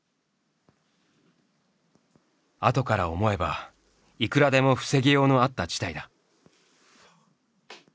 あとから思えばいくらでも防ぎようのあった事態だ。